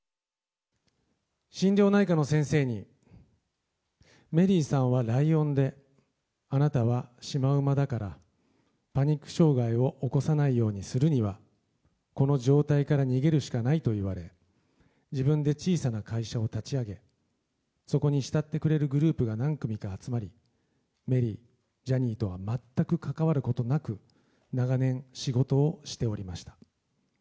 心療内科の先生に、メリーさんはライオンで、あなたはシマウマだから、パニック障害を起こさないようにするには、この状態から逃げるしかないと言われ、自分で小さな会社を立ち上げ、そこに慕ってくれるグループが何組か集まり、メリー、ジャニーとは全く関わることなく、長年、仕事をしておりました。